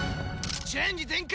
チェンジ全開！